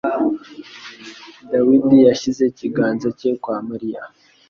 Dawidi yashyize ikiganza cye kwa Mariya.